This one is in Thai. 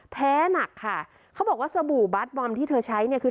แพ้หนักค่ะเขาบอกว่าสบู่บ๊อตบอมที่เธอใช้เนี่ย